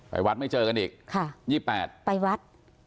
ไปวัดไม่เจอกันอีก๒๘ไปวัด